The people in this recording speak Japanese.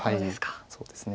はいそうですね。